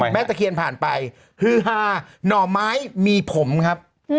ตะเคียนผ่านไปฮือฮาหน่อไม้มีผมครับ